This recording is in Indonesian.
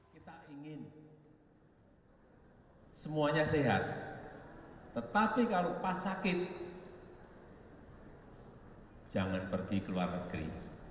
kita ingin semuanya sehat tetapi kalau pas sakit jangan pergi ke luar negeri